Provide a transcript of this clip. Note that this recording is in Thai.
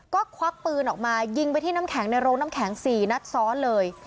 ก็ควักปืนออกมายิงไปที่น้ำแข็งในโรงน้ำแข็ง๔นัดซ้อนเลย